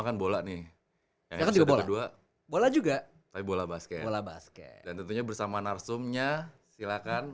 kan bola nih ya kan juga bola juga tapi bola basket dan tentunya bersama narsumnya silahkan